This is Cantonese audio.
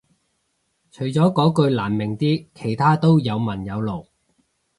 除咗嗰句難明啲其他都有文有路